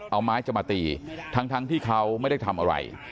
เอาไม้จะมาตีทั้งที่เขาไม่ได้ทำอะไร